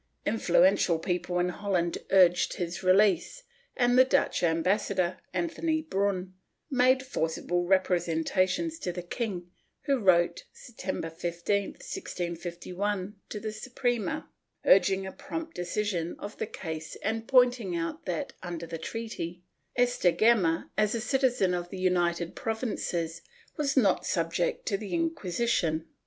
Influential people in Holland urged his release, and the Dutch ambassador, Anthony Brun, made forcible representations to the king, who wrote, September 15, 1651, to the Suprema, urging a prompt decision of the case and pointing out that, under the treaty, Estagema, as a citizen of the United Provinces, was not subject to the Inquisition.